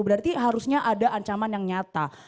berarti harusnya ada ancaman yang nyata